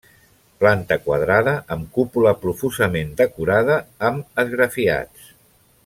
Planta quadrada amb cúpula profusament decorada amb esgrafiats.